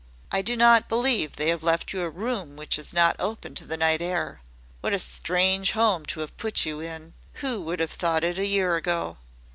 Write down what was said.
"I do not believe they have left you a room which is not open to the night air. What a strange home to have put you in! Who would have thought it a year ago?"